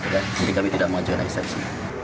jadi kami tidak mau jalan eksepsi